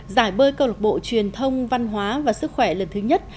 giải bơi câu lục bộ truyền thông văn hóa và sức khỏe lần thứ nhất